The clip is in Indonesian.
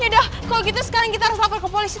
yaudah kalau gitu sekarang kita harus lapor ke polisi